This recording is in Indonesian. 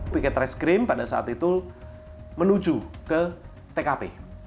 piket reskrim pada saat itu menuju ke tkp